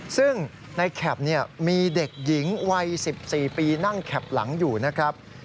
ซึ่งในแคปมีเด็กหญิงวัย๑๔ปีนั่งแข็บหลังอยู่นะครับ